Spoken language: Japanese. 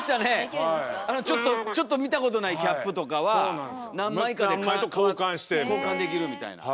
ちょっとちょっと見たことないキャップとかは何枚かで交換できるみたいな。